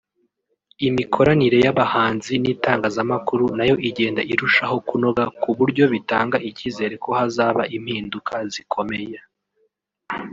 Imikoranire y’abahanzi n’itangazamakuru nayo igenda irushaho kunoga ku buryo bitanga icyizere ko hazaba impinduka zikomeye